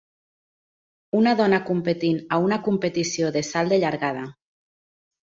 Una dona competint a una competició de salt de llargada.